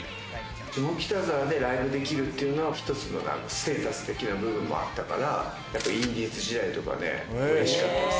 下北沢でライブできるというのは１つのステータス的な部分もあったから、インディーズ時代とかね、嬉しかったです。